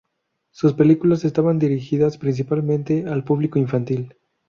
Sus películas estaban dirigidas principalmente al público infantil.